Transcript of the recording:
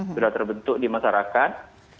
sudah terbentuk di masyarakat